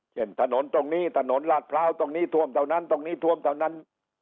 ถนนตรงนี้ถนนลาดพร้าวตรงนี้ท่วมเท่านั้นตรงนี้ท่วมเท่านั้น